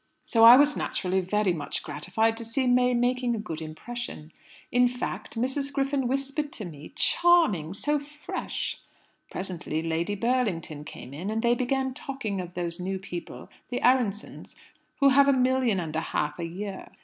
So I was naturally very much gratified to see May making a good impression. In fact, Mrs. Griffin whispered to me, 'Charming! So fresh.' Presently Lady Burlington came in, and they began talking of those new people, the Aaronssohns, who have a million and a half a year.